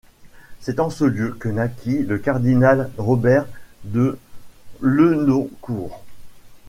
C'est en ce lieu que naquit le cardinal Robert de Lenoncourt.